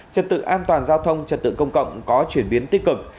trật tự an toàn giao thông trật tự công cộng có chuyển biến tích cực